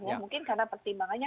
ya mungkin karena pertimbangannya